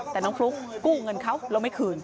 แต่น้องฟลุ๊กกู้เงินเขาแล้วไม่คืน